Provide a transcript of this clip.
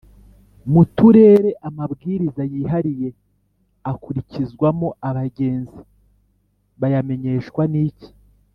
mu uturere amabwiriza y’ihariye akurikizwamo abagenzi bayamenyeshwa niki